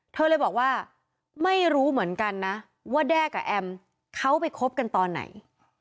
เธอเลยบอกว่าไม่รู้เหมือนกันนะว่าแด้กับแอมเขาไปคบกันตอนไหน